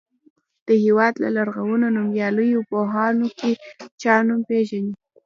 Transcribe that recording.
د هېواد له لرغونو نومیالیو پوهانو کې چا نوم پیژنئ.